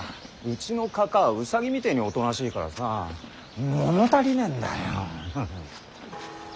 うちのかかあ兎みてえにおとなしいからさ物足りねえんだよ。